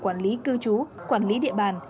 quản lý cư trú quản lý địa bàn